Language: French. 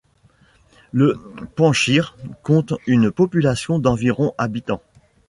Le Panshir compte une population d'environ habitants.